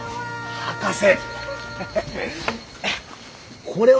博士！